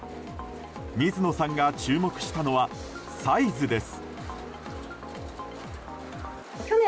水野さんが注目したのはサイズです。